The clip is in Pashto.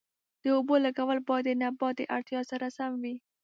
د اوبو لګول باید د نبات د اړتیا سره سم وي.